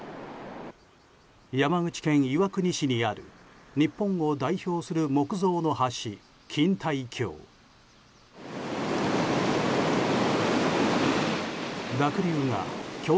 山口県岩国市にある日本を代表する木造の橋錦帯橋。